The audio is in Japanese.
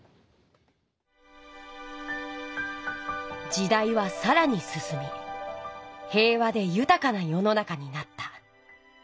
時代はさらにすすみへいわでゆたかな世の中になった。